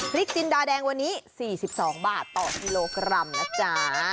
จินดาแดงวันนี้๔๒บาทต่อกิโลกรัมนะจ๊ะ